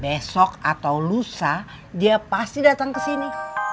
besok atau lusa dia pasti datang ke sini